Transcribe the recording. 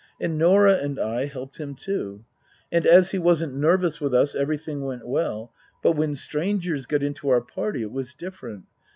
And Norah and I helped him too. And as he wasn't nervous with us everything went well. But when strangers got into our party it was different.